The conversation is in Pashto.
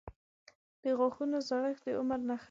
• د غاښونو زړښت د عمر نښه ده.